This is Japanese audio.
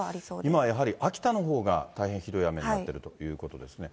今やはり、秋田のほうが大変ひどい雨になっているということですね。